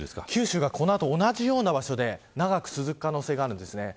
九州がこの後同じような場所で長く続く可能性があるんです。